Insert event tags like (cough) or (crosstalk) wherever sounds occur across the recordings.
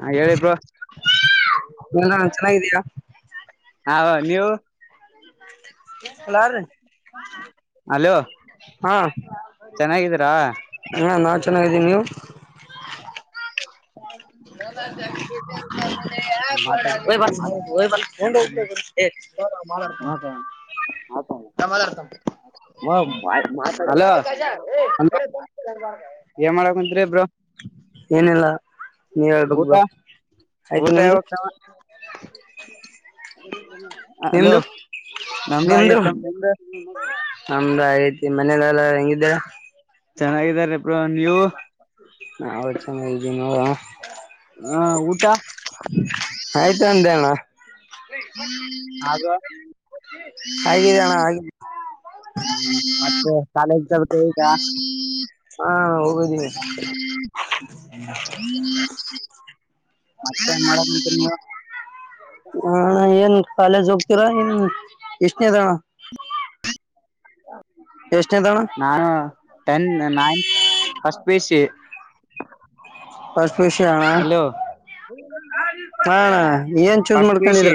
ಹಾ ಹೇಳಿದು (inaudible) ಹ ನಾ ಚೆನ್ನಾಗಿದೀಯಾ ಹ ನೀವು ಅಲೋ ಹಾ ಚೆನ್ನಾಗಿದ್ದೀರಾ ಹ ನಾವ್ ಚೆನ್ನಾಗಿದ್ದೀವಿ ನೀವು (inaudible) ಹಾ ಮಾತಾಡ ಹಾ ಮಾತಾಡ್ತಾನ ಹಲೋ (inaudible) ಏ ಮಾಡಕುಂತ್ರಿ ಇಬ್ರು ಏನೀಲ್ಲ ನೀವ ಊಟ ಹೇಳಬೇಕ ಆಯ್ತು ಊಟ ನಮ್ದು ಯಾವಾಗ ಅಲೋ ನಿಮ್ದು ನಂದಾಗಿತ್ತ ನಿಂದ ಈ ಮನೆಯಲ್ಲಲ್ಲ ಹೆಂಗಿದ್ದೇ ಚೆನ್ನಾಗಿದ್ದಾರೆ ಬ್ರೋ ನೀವು ಹ ಹೌದು (unintelligible) ಹ ಊಟ ಆಯ್ತು ಅಂದೆ ಅಣ್ಣ ಆಗ ಆಗಿದ್ದನ್ನಾ ಆಗಿದೆ (inaudible) (unintelligible) (unintelligible) ಸ್ (inaudible) ಮತ್ತ ಮಾಡಕ ಕುಂತೇರಿ ನೀವಾ ಹ್ಮ್ ಏನ್ ಕಾಲೇಜ್ ಹೋಗ್ತೀರಾ ಇನ್ ಎಷ್ಟನೇದನ ಎಷ್ಟನೇದಣ ನಾನು ten ninth past P U C first P U C ಅಣ್ಣ ಹಲೋ ಹಾ ಏನ್ choose first P U C ಮಾಡ್ಕೊಂಡಿದ್ರ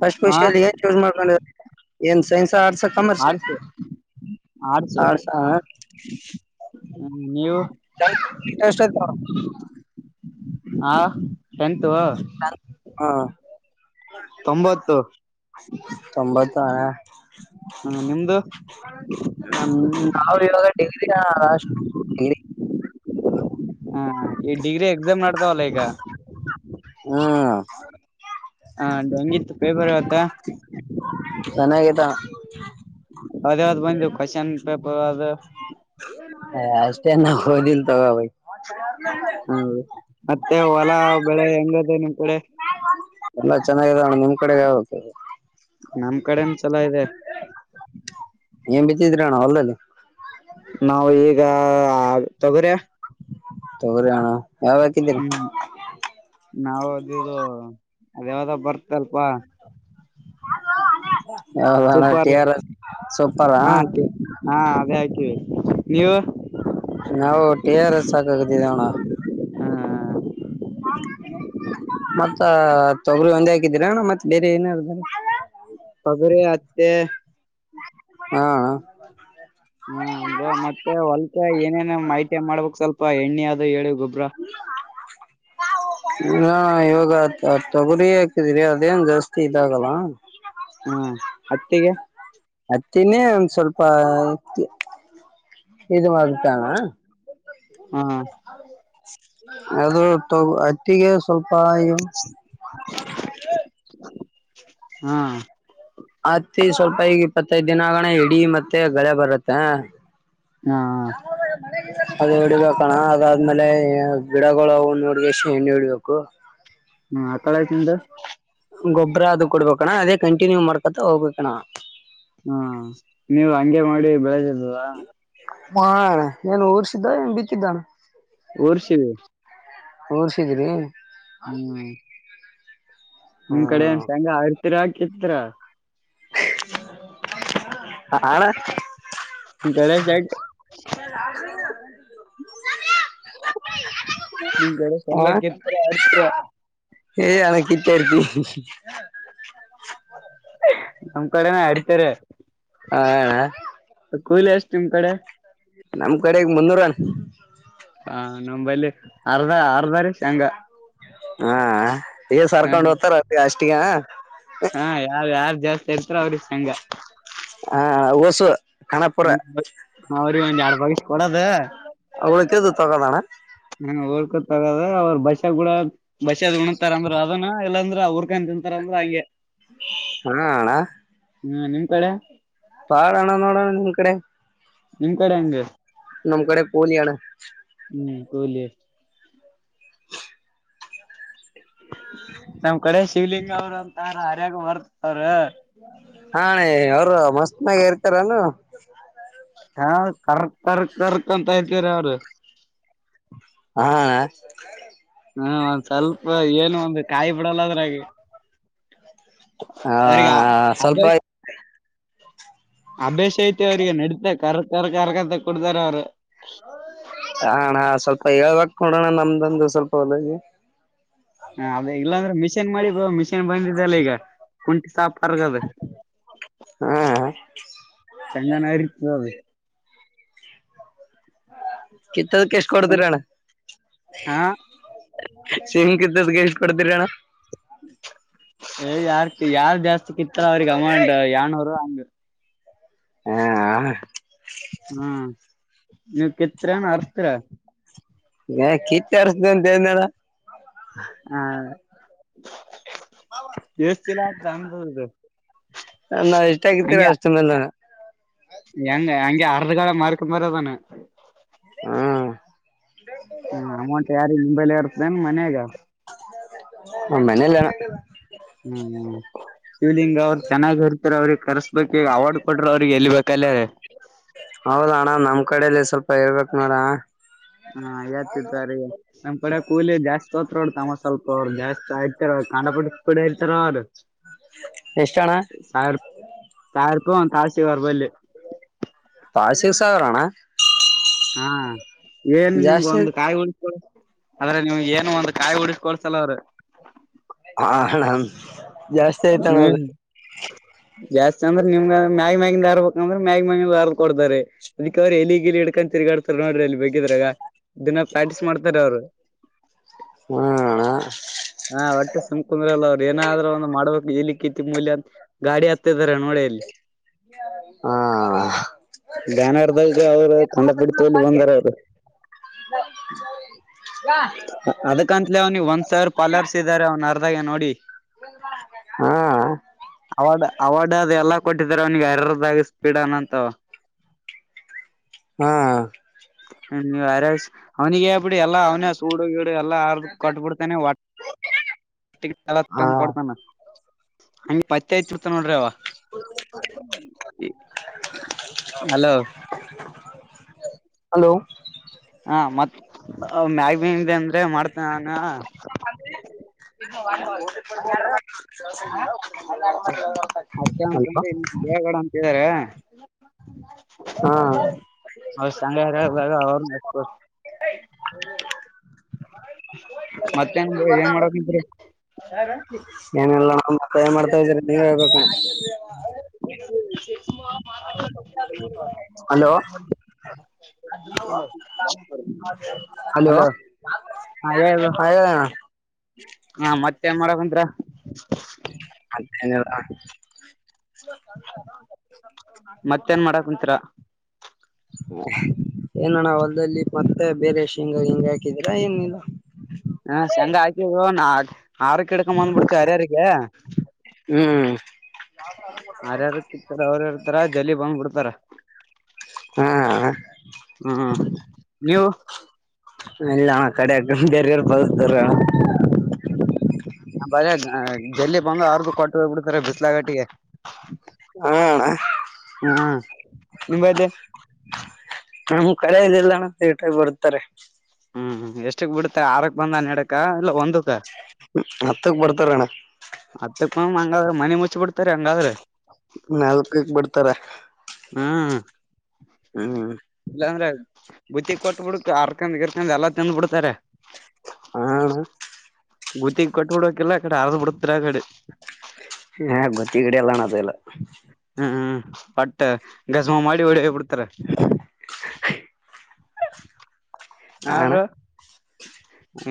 ಪಾಸ್ಟ್ ಪಿ ಯು ಹಾ ಸಿಯಲ್ಲಿ ಏನ್ ಚೂಸ್ ಮಾಡ್ಕೊಂಡ ಏನ್ ಸೈನ್ಸ್ ಆಟ್ಸ್ ಕಮರ್ಸ ಆರ್ಟ್ಸ್ ಆ ಆಟ್ಸ್ ಅಣ್ಣ ಹ್ಮ್ ನೀವು ಎಷ್ಟ ಆಯ್ತ (inaudible) ಹಾ ಟೆನ್ತುವ ಹಾ ತೊಂಬತ್ತು ತೊಂಬತ್ತಣ ಅದು ನ ನಾವ ಇವಾಗ ಡಿಗ್ರಿ (unintelligible) ಡಿಗ್ರಿ ಹಾ ಈ ಡಿಗ್ರಿ ಎಕ್ಸಾಮ್ ನಡ್ತವಲ್ಲ ಈಗ ಹ್ಮ ಹಾ ಡೆಂಗಿ ತುಪ್ಪೇ ಬರ್ವತ್ತ (unintelligible) ಚೆನ್ನಾಗತಾ ಅದ ಯಾವದ್ ಬು ಕ್ವಶನ್ ಪೇಪರ್ ಅದು ಹ ಎ ಅಷ್ಟೇನ ಹೋದಿಲ್ ತೊಗೊ ಬೈ. (unintelligible) (unintelligible) ಎಲ್ಲ ಬೆಳೆ ಹೆಂಗದೆ ನಿಮ್ ಕಡೆ? ಎಲ್ಲಾ ಚೆನ್ನಾಗಿದೆ ಅಣ್ಣ ನಿಮ್ ಕಡೆ ಹೇಳ್ಬೇಕ. ನಮ ಕಡೆನ್ ಚಲೋ ಇದೆ. ಏನ್ ಬಿತ್ತಿದ್ರಿ ಅಣ್ಣ ಹೊಲ್ದಾಗ್ಗ್? ನಾವ ಈಗ ತೊಗರಿ. ತೊಗರೆ ಆಣ ಹ್ಮ್ ನಾವ ಅದದು ಅದ ಯಾವ್ದ ಬರ್ತ ಅಲ್ಪ ಯಾವ್ದ ಅಣ್ಣ ಟಿ ಸೂಪರ್ ಆರ್ ಎಸ್ ಸೂಪರಾ ಹ ಸೂಪರ್ ಹ. ಹಾಕಿವಿ ನೀವು? ನಾವು ಟಿ ಆರ್ ಎಸ್ ಹಾಕಕತಿದ್ದೇವ್ ಅಣ್ಣಾ. ಹಾ ಮತ್ತ ತೊಗರಿ ಒಂದೇ ಹಾಕಿದೀರ? ಅಣ ಮತ್ತೆ ಬೇರೆ ಏನಾರ? ತೋಗರಿ, ಹತ್ತಿ ಹಾ ಹಾ ಬ ಮತ್ತೆ ಹೊಲ್ಕ ಏನೇನ ಮಾಹಿತಿಯ ಮಾಡ್ಬೇಕ್ ಸ್ವಲ್ಪ. ಸ್ವಲ್ಪ್ ಎಣ್ಣೆ ಆದು ಹೇಳು ಗೊಬ್ ಬ್ರೋ ಇಲ್ಲ ಇವಾಗ ತೊ ತೊ ತೊಗರಿ ಹಾಕಿದಿರಿ ಅದೇನ್ ಜಾಸ್ತಿ ಇದಾಗಲ್ಲ. ಹ್ಮ್ ಹತ್ತಿಗೆ ಹತ್ತಿನೇ ಒನ್ ಸ್ವಲ್ಪ ಇದು ಆಗುತ್ತೆ ಅಣ (unintelligible) ಹ್ಮ (unintelligible) ಅದು ತೊಗ್ ಹತ್ತಿಗೆ ಸ್ವಲ್ಪ ಅಯ್ಯೋ ಹಾ ಹತ್ತಿ ಸ್ವಲ್ಪ ಈಗ ಇಪ್ಪತ್ತೈದ (unintelligible) ದಿನಗಣ (unintelligible) ಇಡೀ ಮತ್ತೆ ಬೆಳೆ ಬರತ್ತೆ. ಹಾ ಅದು ಹೊಡಿಬೇಕಣ ಅದಾದ್ಮೇಲೆ ಗಿಡಗಳ ಅವು ನೋಡಕೆಸಿ (unintelligible) ಎಣ್ಣಿ ಹೊಡಿಬೇಕು. ಹ್ಮ ಆಕಳಾ ಯ್ (unintelligible) ತಿಂದ ಗೊಬ್ಬರ (unintelligible) ಅದೇ ಕಂಟಿನ್ಯೂ ಮಾಡ್ಕೊತಾ ಹೋಗ್ಬೇಕಣ. ಹಾ ನೀವು ಹಂಗೆ ಮಾಡಿ ಬೆಳೆದಿರಿ ಅವಾ (unintelligible) ಹಾ ಏನ್ ಊರ್ಸಿದ್ದ ಏನ್ ಬಿತ್ತಿದ್ದಾ (unintelligible) ಊರ್ಷಿವಿ (unintelligible) ಊರ್ರ್ಸಿದ್ರಿ. ಹೌ (unintelligible) ನಿಮ್ ಕಡೆ ಶ್ಯಾಂಗ (unintelligible) ಎತ್ರ ಕೆತ್ರರ (unintelligible) ಅಣ್ಣ ನಿಮ್ ಕಡೆ ಶೇಂಗ್ ನಿಮ್ ಕಡೆ ಶೇಂಗ ಕಿತ್ತೀರಾ ಆಡ್ತೀರಾ (unintelligible) (unintelligible) (unintelligible) ನಮ್ ಕಡೆ ಆಡ್ತಾರೆ ಹ ಹ ಕೂಲಿ (unintelligible) ಎಷ್ಟ್ ನಿಮ್ ಕಡೆ ನಮ್ ಕಡೆಗೆ ಮುನ್ನೂರ (unintelligible) ಹಾ ನಂಬಲ್ಲಿ ಅರುವೆ (unintelligible) ಅರೆವರೆ ಶೇಂಗಾ ಹ್ಮ (unintelligible) ಏ (unintelligible) ಸರ್ಕೊಂಡು ಹೋಗ್ತಾರೆ ಅ ಅಷ್ಟಗ ತ್ರ (unintelligible) ಅವರಿಗೆ ಸಂಘ ಹಾ ಊಸು ಹ ಅವ್ರಿಗೆ ಒಂದ ಯಡ್ (unintelligible) ಕೊಡೋದ್ (unintelligible) ಉಳಿದಿದ್ದು ತಗೊಳೋಣ ಹ್ಮ ಊರ್ಕ ತಗದ ಅವ್ರ ಬಷಾ ಕೂಡ ಬಸಿ ಅದು ಉಣತಾರ ಅಂದ್ರು ಅದನ್ನ ಎಲ್ಲಂದ ಅವರಿಗೇನು ತಿಂತಾರ ಅಂದ್ರ ಹಂಗೆ ಹಾ ಅಣ್ಣ ಪೆಡೆ ಪಾಳಣ ನೋಡನಾ ನಿಂಗ ಕಡೆ ನಿಮ್ ಕಡೆ ಹೆಂಗೆ ನಮ್ ಕಡೆ ಪುಲಿಯಾನ ಹ್ಮ್ ಕೂಲಿ ನಮ್ ಕಡೆ ಶಿವ್ಲಿಂಗ ಅವ್ರಂತಾರ ಆರ್ಯಾಗ ಬರ್ತ ಅವ್ರ ಹಾ ಅಣ್ಣ ಅವರು ಮಸ್ತ್ ನಾಗ ಇರ್ತಾರಾನು ಹಾ ಕರ್ಕ್ ಕರ್ಕ್ ಕರ್ಕ್ ಅಂತ ಇತೀರಿ ಅವರು ಹಾ ಹಾ ಒಂದ್ ಸ್ವಲ್ಪ ಏನು ಒಂದು ಕಾಯಿ ಬಿಡಲ್ಲದ್ರ ಹಾಗೆ ಹ ಸ್ವಲ್ಪ ಅಭ್ಯಾಸ ಆಯ್ತಾ ಅವರಿಗೆ ನಡೀತಾ ಕರ್ ಕರ್ ಕರ್ಗಂತ ಕೊಡ್ತಾರೆ ಅವರು ಅಣ್ಣ ಸ್ವಲ್ಪ ಹೇಳ್ಬೇಕ ನೋಡೋಣ ನಮ್ದಂದು ಸ್ವಲ್ಪ ಹೊಲಿ ಹ ಅದೇ ಇಲ್ಲಾಂದ್ರೆ ಮಿಷಿನ್ ಮಾಡಿ ಮಿ ಬಂದಿದ್ದಲ್ಲ ಈಗ ಕುಂಟಿ ಸಾಪರ್ಗದ ಹಾ ಚಂಗನರಿತ ಕಿತ್ತದಕ್ಕೆ ಎಷ್ಟ ಸುಮ್ ಕೊಡತರಣ್ಣ ಹಾ ಸಿಮ್ ಕಿತ್ತದ್ ಎಷ್ಟ ಕೊಡ್ತಿರಣ ಏ ಯಾರ್ ಯಾರ ಜಾಸ್ತಿ ಚಕ್ಕಿತ್ತ ಅವ್ರಿಗೆ ಅಮೌಂಡ್ ಯಏನೂರು ಅಂಗ ಹಾ ಹ ಎ ಕೆತ್ರನ್ರ್ಸ್ತ್ರರ ಕಿತ್ತರ್ಸ್ದ ಅಂತ ಹೇಳನಳ ಹಾ ಎಷ್ಟ ಚಲಾನ ಇದು ನಾವ ಎಷ್ಟ ಆಗಿದ್ದೀರ ಅಷ್ಟ ಮೇಲೆ ಕ ಮರದಾನ ಹ್ಮ್ ಹ ಅಮೌಂಟ್ ಯಾರಿ ನಿಂಬೈಲ್ ಇರ್ತದನ್ ಮನ್ಯಾಗ ಮನೇಲಿ ಹ್ಮ್ ಶಿವಲಿಂಗ ಅವ್ರು ಚೆನ್ನಾಗ್ರ್ ಅವ್ರಗೆ ಕರ್ಸು ಬೇಕ ಈಗ ಅವಾರ್ಡ್ ಕೊಟ್ರ ಅವ್ರಿಗೆ ಎಳ್ಬೇಕಲಿ ಹೌದ ಅಣ್ಣ ನಮ್ (unintelligible) ನೋಡ ಹಾ ಯತಿತ್ತುಾರಿ (unintelligible) ಹೊಡ್ ತಾಮಸ್ ಸ್ಲ್ಪ ಅವ ಜಾಸ್ತಿ ಆಯಿತ್ ಕಂಡ ಪಟ್ಟ ಕೂಡ ಇರ್ತಾರ ಅವರು ಎಷ್ಟಣ್ಣ (unintelligible) ಅಂತು ಆಶೀವಾರ್ ಬಲ್ಲಿ ತಾಷಿಕ್ ಸಾಗರ್ಣ ಹಾಂ ಏನ್ ನಿಮ್ಗ ಜಾಸ್ತಿ ಒಂದು ಕಾಯಿ ಉಳ ಆದ್ರೆ ನೀವು ಏನು ಒಂದ ಕಾಯಿ ಹುಡ್ಸ್ಕೊಳ್ಸಲ ಅವ್ರ ಹ ಹ ಜಾಸ್ತಿ ಹ್ಮ್ ಆಯ್ತಣದು ಜಾಸ್ತಿ ಅಂದ್ರೆ ನಿಮ್ಗ ಮ್ಯಾಗ ಮ್ಯಾಗಂದ ಹಾರ್ ಬಂದ್ರ ಮ್ಯಾಗ ಮ್ಯಗ ದಾರ್ ಕೊಡ್ತಾರೆ ಅದಕ್ಕೆ ಅವರು ಎಲಿ ಗಿಲಿ ಇಡ್ಕೊಂಡ್ ತಿರ್ಗಾಡ್ತಾರ ನೋಡ್ರಿ ಅಲ್ಲಿ ಬಗಿದ್ರಾಗ ದಿನ ಪ್ರಾಕ್ಟೀಸ್ ಮಾಡ್ತಾರ ಅವ್ರು ಹಾಂ ಅಣ್ಣ ಹಾ ಒಟ್ಟೆ ಸುಮ್ಕಂದ್ರ ಅಲ್ಲ ಅವ್ರ ಏನಾದ್ರರು ಒಂದು ಮಾಡ್ಬೇಕ ಇ ಇಲ್ಕಿತ್ ಮಲ್ಂತ ಗಾಡಿ ಹತ್ತಿದಾರ ನೋಡಲ್ಲಿ ಹಾ (inaudible) ಗ್ಯಾನ ಅರ್ದನ್ಗೆ ಅವ್ರು ಕಂಡಪಡಲ್ಲಿ ಬಂದರೆ ಅವರು ಅದಕಂತಲ ಅವ್ನಿ ಒಂದ್ಸಾವ್ರ ಪಾಲರ್ಸಿದ್ದಾರೆ ಅವ್ನರ್ ಅತಾಗ ನೋಡಿ ಹಾ ಅವಾರ್ಡ್ ಅವಾರ್ಡ್ ಅದು ಎಲ್ಲ ಕೊಟ್ಟಿದರೆ ಅವನಿಗೆ ಅರದಾಗ ಸ್ಪೀಡನಂತವ ಹಾಂ (unintelligible) ಅವ್ನಿಗೆ ಹೇಳ್ಬಿಡಿ ಎಲ್ಲ ಅವನ ಸೂಡು ಗೀಡು ಎಲ್ಲ ಆರ್ದು ಕೊಟ್ಟಬಿಡ್ತಾನೆ ಓಟ್ಟಿಗೆ ಎಲ್ಲ ಹಾ ತಂದ್ ಕೊಡ್ತಾನೆ ಹ ಹಂಗಗೆ ಪತ್ತೆ ಹಚ್ಚಬಿಡ್ತಾನೆ ನೋಡ್ರಿ ಅವ (inaudible) ಹಲೋ ಹಲೋ ಹಾ ಮತ್ ಮ್ಯಾಗ್ಮೀನ್ದೆ ಅಂದ್ರೆ ಮಾಡ್ತನ (inaudible) ಅಷ್ಟೇ ಹಲೋ ಅಂತಂದ್ರೆ ಇನ್ ದೇಗಡನ ತೇ ಹಾ ಅವ್ರ್ ಸಂಘ ಅವ್ರ ಎ (inaudible) ಮತ್ತೆ ಏನ್ ಮಾಡಕುಂತಿರಿ (unintelligible) ನೀವೆ ಹೇಳ್ಬೇಕು (inaudible) (inaudible) (inaudible) ಹಲೋ ಹಲೋ ಹ ಹೇಳಣ ಹಾ ಮತ್ತೆನ್ ಮಾಡರಕಂತ್ರ ಅ ಹಲೋ ಅ ಮತ್ತೇನ್ ಮಾಡ ಕುಂತೀರ ಏನಣ್ಣ ಹೊಲ್ದಲ್ಲಿ ಮತ್ತೆ ಬೇರೆ ಶೇಂಗಾ ಗಿಂಗಾ ಹಾಕಿದೀರಾ ಏನ್ ಇಲ್ಲ ಹ ಶಂಗ ಹಾಕವ್ ನಾ ಆರುಕ್ಕೆ ಕಿಡ್ಕೊ ಬಂದ್ ಬಿಡ್ತ ಅರ್ಯಿಗೆ ಹ್ಮ ಯರ್ಯಾರ ಕಿತಾರ ಅವರುರ್ತಾರ ಜಲಿ ಬಂದ್ಬಿಡ್ತಾರ ಹಾ ಹ್ಮ ನೀವು ಎಲ್ಲ ಕಡೆಕರ್ಗ ಬೇರೆಯವರ ಬದ್ಕತಾರೆ ಬರ ಲ್ಲಿ ಬಂದು ಅವರ್ಗು ಕೊಟ್ಟ ಹೋಗ್ಬ ಬಿಡ್ತಾರೆ ಬಿಸ್ಲಾಾಗಟ್ಟಿಗೆ ಹಾ ಅಣ್ಣ (inaudible) ಹಾ ನಿಂಬಲ್ಲಿ ನಮ್ ಕಳೆಯಲ್ಲಣಟಾಗಿ ಬರ್ತಾರೆ ಹ್ಮ್ ಎಷ್ಟಕ್ ಬಿಡುತ್ತಾ ಆರಕ್ ಬಂದ ಹನೆಡಕ್ಕ ಇಲ್ಲ ಒಂದಕ್ಕ ಹತ್ತಕ್ ಬರ್ತಾರ ಅಣ್ಣ ಅದ ಇ ಹಂಗಾದ್ರೆ ಮನೆ ಮುಚ್ಚಿ ಬಿಡ್ತಾರೆ ಹಂಗಾದ್ರೆ ನಾಲ್ಕಕ್ ಬಿಡ್ತಾರೆ ಹ್ಮ (inaudible) ಇಲ್ಲ ಅಂದ್ರೆ ಬುತ್ತಿ ಕೊಟ್ಟಟ್ಬಿಡ್ಕ್ ಅರ್ಕಂದ್ ಇರ್ಕಂಡ್ ಎಲ್ಲಾ ತಂದು ಬಿಡ್ತಾರೆ ಆ ಅಣ್ಣ ಗೂತಿಗ್ ಕೊಟ್ಟಬ ಬಿಡಕಲ್ಲ ಆ ಕಡೆ ಆರದ್ ಬಿಡತರ ಆ ಕಡೆ ಸಲ್ಲ ಹ್ಮ್ ಹ್ಮ್ ಪ ಗಜಮಾ ಮಾಡಿ ಹೊಡಿ ಬಿಡ್ತಾರ ಹಾ ಹ ಅಣ್ಣಾ ಬ್ರೋ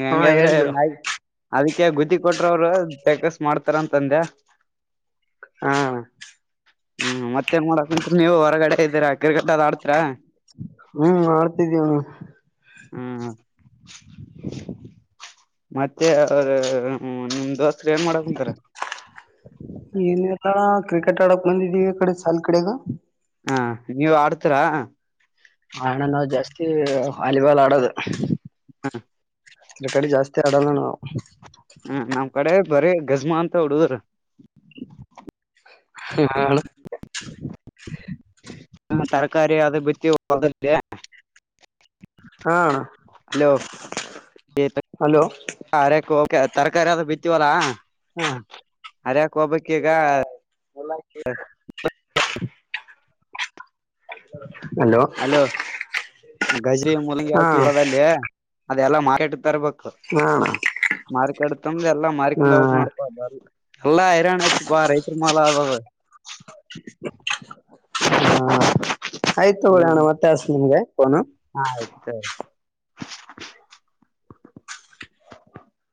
ಹೆಂಗಾದ್ರೆ ನ ಅದಕ್ಕೆ ಗುದ್ದಿ ಕೊಟ್ರ ಅವರು ಟಕ್ಕಸ್ ಮಾಡ್ತಾರ ಅಂತಂದೆ ಹಾ ಹ್ಮ್ ಮತ್ತೆ ಮಾಡೋಕ ನೀವು ಹೊರಗಡೆ ಇದ್ದೀರಾ ಕ್ರಿಕೆಟ್ ಆಡ್ತರ ಹ್ಮ್ ಆಡ್ತಿದೀವಣ್ಣ ಹ್ಮ ಮತ್ತೆ ನಿಮ್ದೋ ಸ ಏನ್ ಮಾಡಕ್ ಕುಂತಾರ ಏನಿಲ್ಲ ಕ್ರಿಕೆಟ್ ಆಡಕ್ ಬಂದಿದ್ದವಿ ಕಡೆ ಸಾಲ ಕಡೆಗ ಹಾ ನೀವ ಆಡ್ತರಾ ಆಣ ನಾವು ಜಾಸ್ತಿ ವಾಲಿಬಾಲ್ ಆಡೋದು ಹ್ಮ ಇದರ ಕಡೆ ಜಾಸ್ತಿ ಆಡಲ್ಲ ನಾವು ನಮ್ಮ್ ಕಡೆ ಬರೀ ಗಜ್ಮಾ ಅಂತ ಉಡುದ್ರ ಹಳ ಹಾ ತರಕಾರಿ ಅದ ಬಿತ್ತ ಹೊಲ್ದದಲಿ ಹಾ ಅಣ್ಣ ಹಲೋ ಹಲೋ ಕಾರ (unintelligible) ತರಕಾರಿ ಆದು ಬಿತ್ತೀವಲ್ಲಾ ಹಾ ಹರಿಯಾಕ ಹೋಗಬೇಕ ಈಗಾ (inaudible) ಅಲೋ ಗಜಿರಿ ಮೂಲಂಗಿ ಹಾ ಹಾಕಿವ ಹೊಲದಲ್ಲಿ ಅದೆಲ್ಲ ಕೆಟ್ಟ ತರಬೇಕ್ ಹಾ ಅಣ್ಣ ಮಾರ್ಿಕಾಡತಂದ ಎಲ್ಲಾ ಮಾರ್ಕಂದಕ್ ಹಾ ಮಾಡಪಾ ಬ ಎಲ್ಲಾ ಹೈರಾಣ ಆಯ್ತಪಾ ರೈತ ಮಾಲ ಅವ ಹಾ ಆಯ್ತು ತಗೊಳಿ ಅಣ್ಣ ಮತ್ತೆ ಹಚ್ತನ್ ನಿಮ್ಗೆ ಫೋನು ಆಯ್ತು